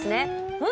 うん？